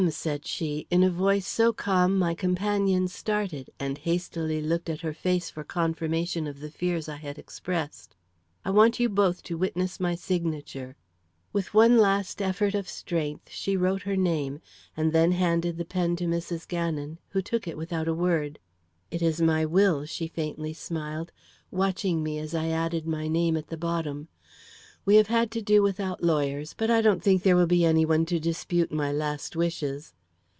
said she, in a voice so calm, my companion started and hastily looked at her face for confirmation of the fears I had expressed; "I want you both to witness my signature." With one last effort of strength she wrote her name, and then handed the pen to Mrs. Gannon, who took it without a word. "It is my will," she faintly smiled, watching me as I added my name at the bottom. "We have had to do without lawyers, but I don't think there will be any one to dispute my last wishes."